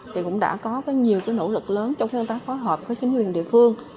thì cũng đã có cái nhiều cái nỗ lực lớn trong cái công tác phối hợp với chính quyền địa phương